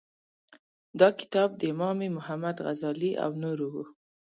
دا کتاب د امام محمد غزالي او نورو و.